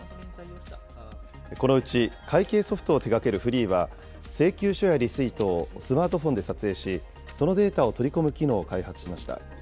このうち会計ソフトを手がけるｆｒｅｅｅは、請求書やレシートをスマートフォンで撮影し、そのデータを取り込む機能を開発しました。